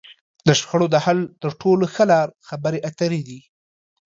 د شخړو د حل تر ټولو ښه لار؛ خبرې اترې دي.